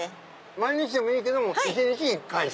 毎日でもいいけど１日１回と。